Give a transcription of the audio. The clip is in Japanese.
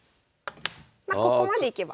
まここまでいけば。